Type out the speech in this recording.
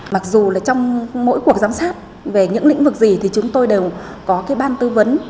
mặc dù là trong mỗi cuộc giám sát về những lĩnh vực gì thì chúng tôi đều có cái ban tư vấn